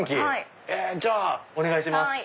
じゃあお願いします。